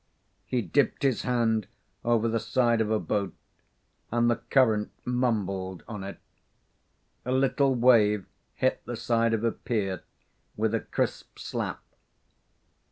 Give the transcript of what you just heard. He dipped his hand over the side of a boat and the current mumbled on it. A little wave hit the side of a pier with a crisp slap.